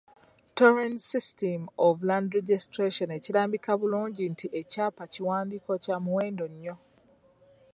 "Torrens system of land registration" ekirambika bulungi nti ekyapa kiwandiiko kya muwendo nnyo.